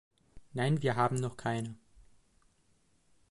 Nein, wir haben noch keine!